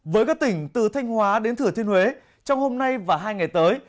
với các tỉnh từ thanh hóa đến thừa thiên huế trong hôm nay và hai ngày tới